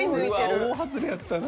わあ大外れやったな。